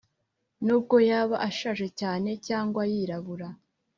n’ubwo yaba ashaje cyane cyangwa yirabura